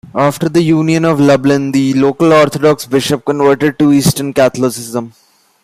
After the Union of Lublin the local Orthodox bishop converted to Eastern Catholicism.